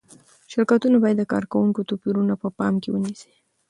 شرکتونه باید د کارکوونکو توپیرونه په پام کې ونیسي.